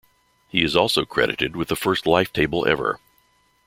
He is also credited with the first life table ever.